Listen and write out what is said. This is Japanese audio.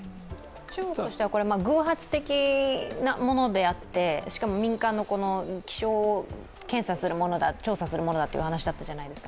中国としては偶発的なものであってしかも民間の気象を調査するものだという話だったじゃないですか。